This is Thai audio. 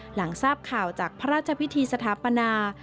หลังทราบข่าวจากพระราชพิธีสถาปนา